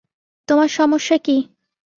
তোমার সমস্যা কি?